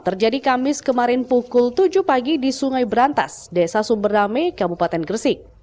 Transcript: terjadi kamis kemarin pukul tujuh pagi di sungai berantas desa sumberame kabupaten gresik